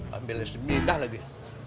hamilnya semina lagi